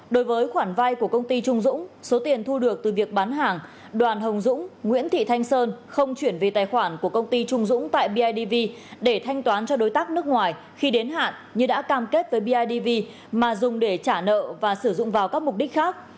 đối với khoản vai của công ty trung dũng số tiền thu được từ việc bán hàng đoàn hồng dũng nguyễn thị thanh sơn không chuyển về tài khoản của công ty trung dũng tại bidv để thanh toán cho đối tác nước ngoài khi đến hạn như đã cam kết với bidv mà dùng để trả nợ và sử dụng vào các mục đích khác